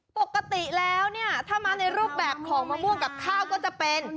ปกติแล้วเนี่ยถ้ามาในรูปแบบของมะม่วงกับข้าวก็จะเป็น